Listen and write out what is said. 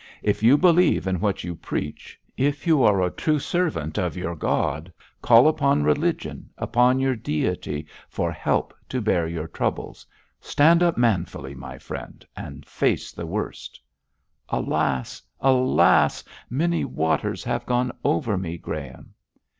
'If you believe in what you preach, if you are a true servant of your God, call upon religion, upon your Deity, for help to bear your troubles. Stand up manfully, my friend, and face the worst!' 'Alas! alas! many waters have gone over me, Graham.'